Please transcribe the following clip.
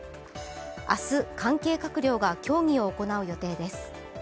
明日、関係閣僚が協議を行う予定です。